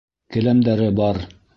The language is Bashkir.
Келәмдәре бар.